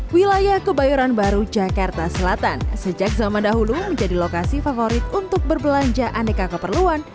wilayah kebayoran baru jakarta selatan sejak zaman dahulu menjadi lokasi favorit untuk berbelanja aneka keperluan